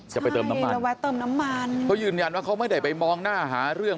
จะไปเติมน้ำมันเพราะยืนยันว่าเขาไม่ได้ไปมองหน้าหาเรื่อง